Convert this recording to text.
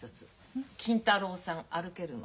金太郎さん歩けるの。